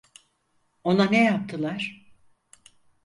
Ona ne yaptılar?